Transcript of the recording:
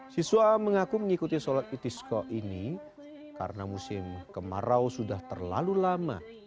siswa mengaku mengikuti sholat itisko ini karena musim kemarau sudah terlalu lama